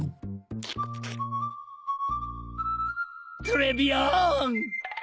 トレビアン！